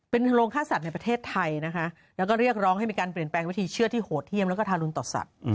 เป็นโรงฆ่าสัตว์ในประเทศไทยนะคะแล้วก็เรียกร้องให้มีการเปลี่ยนแปลงวิธีเชื่อที่โหดเยี่ยมแล้วก็ทารุณต่อสัตว์